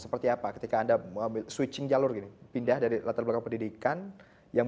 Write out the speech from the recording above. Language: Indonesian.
seperti apa ketika anda mengambil switching jalur gini pindah dari latar belakang pendidikan yang